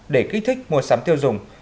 để kích thích mua sắm tiêu dùng